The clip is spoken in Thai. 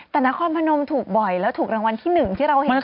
แต่นครพนมถูกบ่อยแล้วถูกรางวัลที่๑ที่เราเห็นข่าวกันมาก่อนหน้านี้